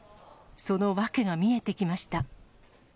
その訳が見えてきました。